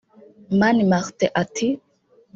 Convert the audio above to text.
Mani Martin ati